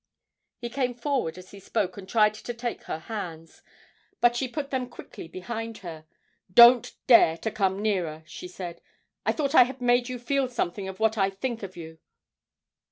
He came forward as he spoke and tried to take her hands, but she put them quickly behind her. 'Don't dare to come nearer!' she said; 'I thought I had made you feel something of what I think of you.